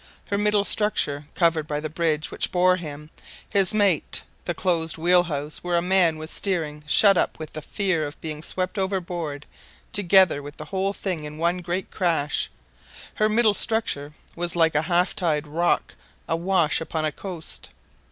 Her middle structure, covered by the bridge which bore him, his mate, the closed wheelhouse where a man was steering shut up with the fear of being swept overboard together with the whole thing in one great crash her middle structure was like a half tide rock awash upon a coast.